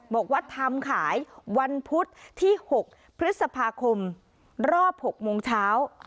บอกว่าทำขายวันพุธที่๖พฤษภาคมรอบ๖โมงเช้า